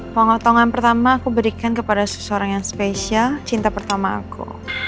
pengotongan pertama aku berikan kepada seseorang yang spesial cinta pertama aku